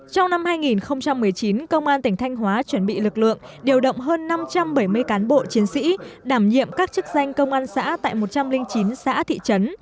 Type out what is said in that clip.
trong năm hai nghìn một mươi chín công an tỉnh thanh hóa chuẩn bị lực lượng điều động hơn năm trăm bảy mươi cán bộ chiến sĩ đảm nhiệm các chức danh công an xã tại một trăm linh chín xã thị trấn